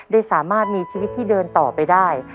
ได้สามารถมีชีวิตที่เดินต่อไปได้